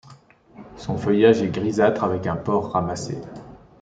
Son feuillage est grisâtre avec un port ramassé.